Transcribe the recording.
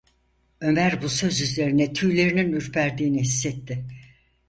Ömer bu söz üzerine tüylerinin ürperdiğini hissetti.